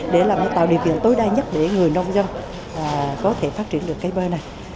để làm điều kiện tối đa nhất để người nông dân có thể phát triển được cây bơ này